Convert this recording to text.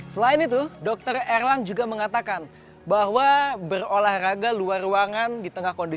selain itu dokter erlang juga mengatakan bahwa berolahraga luar ruangan di tengah kondisi